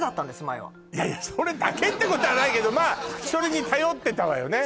前はそれだけってことはないけどまあそれに頼ってたわよね